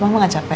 mama gak capek